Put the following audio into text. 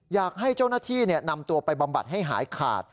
อยากให้เจ้าหน้าที่นำตัวไปบำบัดให้หายขาด